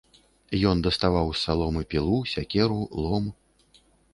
Ён даставаў з саломы пілу, сякеру, лом.